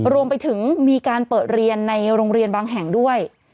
รวมไปถึงมีการเปิดเรียนในโรงเรียนบางแห่งด้วย